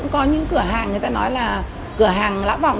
có những cửa hàng người ta nói là cửa hàng lã bọng